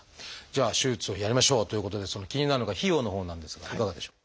じゃあ手術をやりましょうということで気になるのが費用のほうなんですがいかがでしょう？